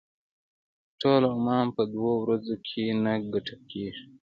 ټول عمان په دوه ورځو کې نه کتل کېږي.